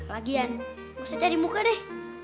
lagian gausah cari muka deh